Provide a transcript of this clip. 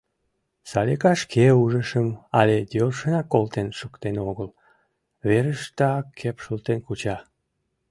Салика шке ушыжым але йӧршынак колтен шуктен огыл, верыштак кепшылтен куча.